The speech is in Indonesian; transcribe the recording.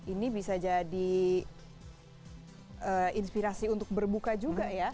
ini bisa jadi inspirasi untuk berbuka juga ya